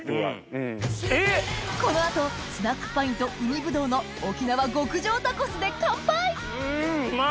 この後スナックパインと海ぶどうの沖縄極上タコスで乾杯！